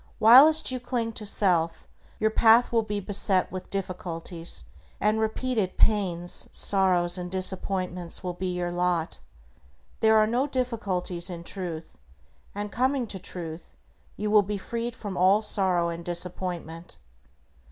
Whilst you cling to self, your path will be beset with difficulties, and repeated pains, sorrows, and disappointments will be your lot. There are no difficulties in Truth, and coming to Truth, you will be freed from all sorrow and disappointment.